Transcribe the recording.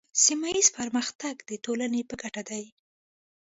سیمه ایز پرمختګ د ټولنې په ګټه دی.